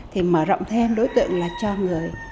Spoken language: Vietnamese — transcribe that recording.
thì mở rộng thêm đối tượng cho người